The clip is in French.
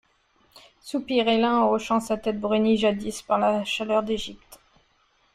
Soupirait l'un en hochant sa tête brunie jadis par la chaleur d'Égypte!